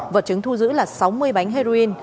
vật chứng thu giữ là sáu mươi bánh heroin